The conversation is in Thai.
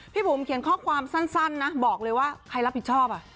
บุ๋มเขียนข้อความสั้นนะบอกเลยว่าใครรับผิดชอบ